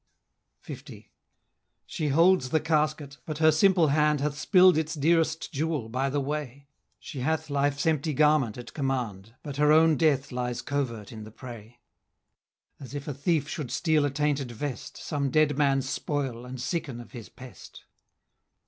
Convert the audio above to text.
L. She holds the casket, but her simple hand Hath spill'd its dearest jewel by the way; She hath life's empty garment at command, But her own death lies covert in the prey; As if a thief should steal a tainted vest, Some dead man's spoil, and sicken of his pest.